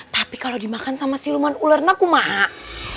tapi kalau dimakan sama siluman ular naku mahak